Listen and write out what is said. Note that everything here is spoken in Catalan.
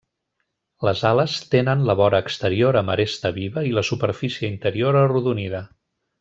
Les ales tenen la vora exterior amb aresta viva i la superfície interior arrodonida.